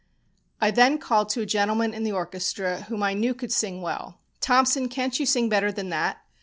I then called to a gentleman in the orchestra whom I knew could sing well: "Thompson, can't you sing better than that?"